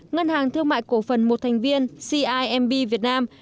ngân hàng thương mại cổ phần một thành viên cimb việt nam